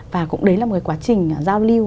và cũng đấy là một quá trình giao lưu